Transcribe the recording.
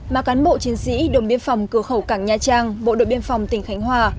mà cán bộ chiến sĩ đồn biên phòng cửa khẩu cảng nha trang bộ đội biên phòng tỉnh khánh hòa